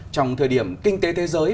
trong thời điểm kinh tế thế giới